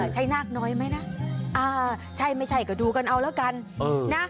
ใช้นาคน้อยไหมนะใช่ไม่ใช่ก็ดูกันเอาแล้วกันนะ